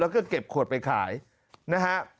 แล้วก็เก็บขวดไปขายนะฮะ